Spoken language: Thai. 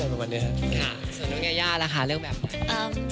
ส่วนนรุงยาละคะเลือกแบบอะไร